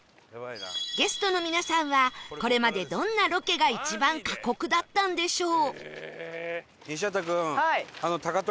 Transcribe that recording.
ゲストの皆さんはこれまでどんなロケが一番過酷だったんでしょう？